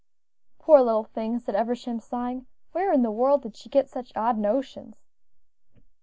"Poor little thing!" said Eversham, sighing; "where in the world did she get such odd notions?"